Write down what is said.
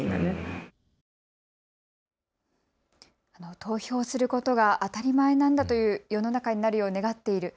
投票することが当たり前なんだという世の中になるよう願っている。